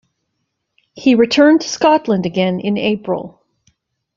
He returned to Scotland again in April.